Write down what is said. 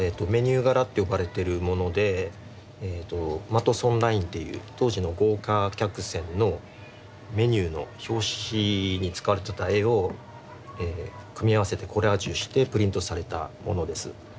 マトソンラインという当時の豪華客船のメニューの表紙に使われてた絵を組み合わせてコラージュしてプリントされたものです。